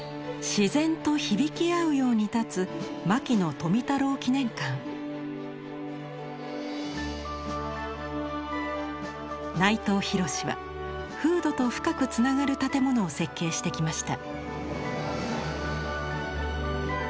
自然と響き合うように立つ内藤廣は風土と深くつながる建物を設計してきました。